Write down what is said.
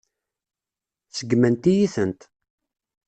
Seggment-iyi-tent.